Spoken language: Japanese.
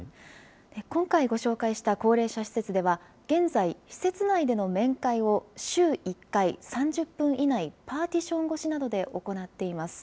今回ご紹介した高齢者施設では、現在、施設内での面会を週１回、３０分以内、パーテーション越しなどで行っています。